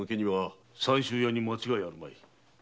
三州屋に間違いあるまい。